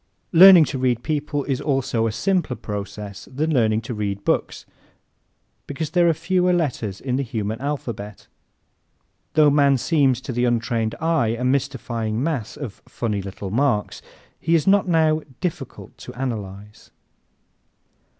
Learning to read people is also a simpler process than learning to read books because there are fewer letters in the human alphabet. Though man seems to the untrained eye a mystifying mass of "funny little marks," he is not now difficult to analyze.